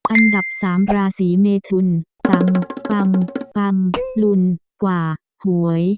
อันดับ๓ราศีเมทุนต่ำปัมปัมลุนกว่าหวย